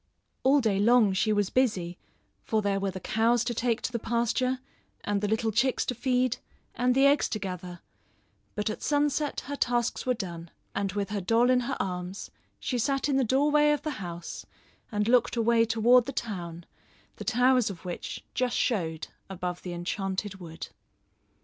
All day long she was busy for there were the cows to take to the pasture, and the little chicks to feed, and the eggs to gather; but at sunset her tasks were done, and with her doll in her arms she sat in the doorway of the house and looked away toward the town, the towers of which just showed above the Enchanted Wood.